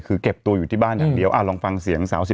คือเก็บตัวอยู่ที่บ้านอย่างเดียวลองฟังเสียงสาว๑๘